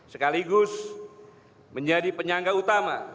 sekaligus menjadi penyangga utama